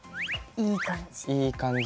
いい感じ。